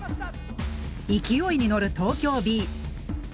勢いに乗る東京Ｂ。